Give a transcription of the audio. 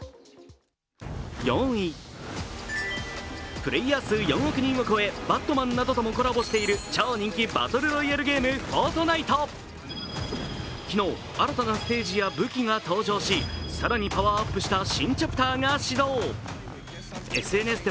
プレーヤー数４億人を超え、「バットマン」などともコラボしている超人気バトルロイヤルゲーム「ＦＯＲＴＮＩＴＥ」。昨日、新たなステージや武器が登場し、更にパワーアップした新チャプターが始動。